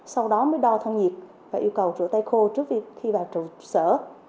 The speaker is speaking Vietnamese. sau đó mới đo thân nhiệt và yêu cầu rửa tay khô trước khi vào trụ sở